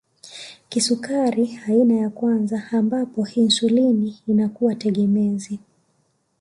Kisukari aina ya kwanza ambapo insulini inakuwa tegemezi